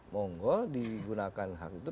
monggo digunakan hak itu